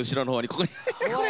ここに。